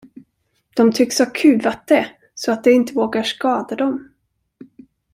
De tycks ha kuvat det, så att det inte vågar skada dem.